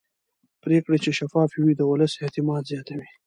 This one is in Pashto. پرېکړې چې شفافې وي د ولس اعتماد زیاتوي